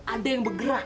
ada yang bergerak